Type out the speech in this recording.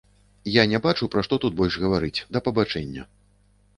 Я не бачу, пра што тут больш гаварыць, да пабачэння.